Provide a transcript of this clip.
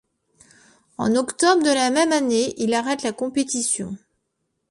En octobre de la même année, il arrête la compétition.